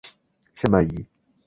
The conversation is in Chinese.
谢曼怡。